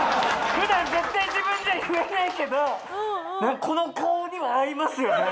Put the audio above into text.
普段絶対自分じゃ言えないけどこの顔には合いますよね。